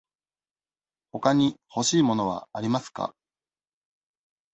ほかに欲しい物はありますか。